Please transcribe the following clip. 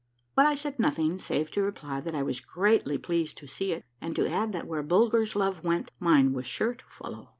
But I said nothing save to reply that I was greatly pleased to see it and to add that where Bulger's love went, mine was sure to follow.